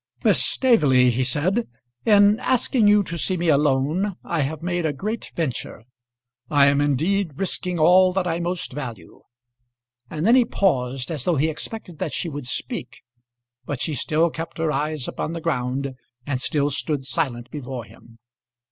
"Miss Staveley," he said, "in asking you to see me alone, I have made a great venture. I am indeed risking all that I most value." And then he paused, as though he expected that she would speak. But she still kept her eyes upon the ground, and still stood silent before him.